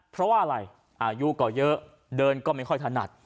เพราะว่าอะไรอายุก็เยอะเดินก็ไม่ค่อยถนัด